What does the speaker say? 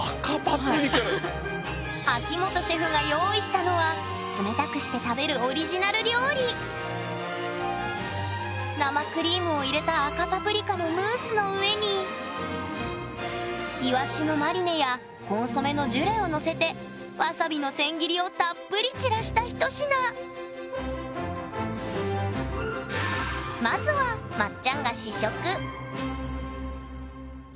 秋元シェフが用意したのは冷たくして食べるオリジナル料理生クリームを入れた赤パプリカのムースの上にいわしのマリネやコンソメのジュレをのせてわさびの千切りをたっぷり散らした一品まずはああ。